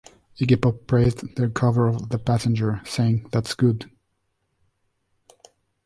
Iggy Pop praised their cover of "The Passenger", saying: "That's good.